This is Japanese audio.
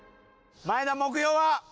前田目標は？